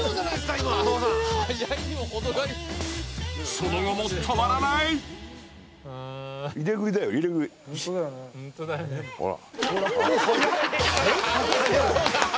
［その後も止まらない］ほら。